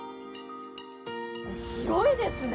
広いですね。